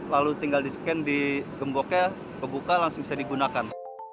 lalu tinggal di scan di gemboknya kebuka langsung bisa digunakan